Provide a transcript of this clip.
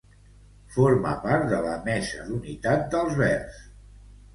Forma part de la Mesa d'Unitat dels Verds.